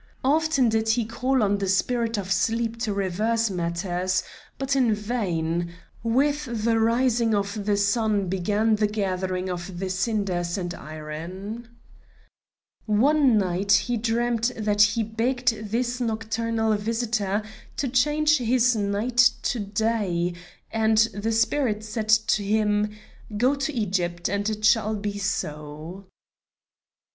Often did he call on the spirit of sleep to reverse matters, but in vain; with the rising of the sun began the gathering of the cinders and iron. One night he dreamt that he begged this nocturnal visitor to change his night to day, and the spirit said to him: "Go to Egypt, and it shall be so."